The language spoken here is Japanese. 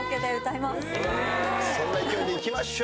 そんな勢いでいきましょう。